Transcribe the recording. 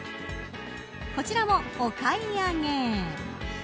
こちらもお買い上げ。